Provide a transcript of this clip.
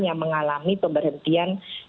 yang mengalami pemberhentian